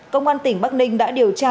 công an tỉnh bắc ninh đã điều tra